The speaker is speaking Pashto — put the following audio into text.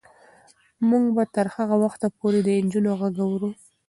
موږ به تر هغه وخته پورې د نجونو غږ اورو.